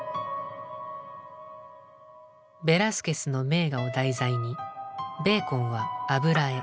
ベラスケスの名画を題材にベーコンは油絵